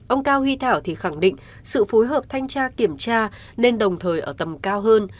ông cao huy thảo thì khẳng định sự phối hợp thanh tra kiểm tra nên đồng thời ở tầm cao hơn